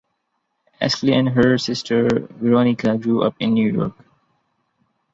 Estelle and her sister, Veronica, grew up in New York.